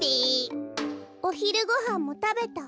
おひるごはんもたべた。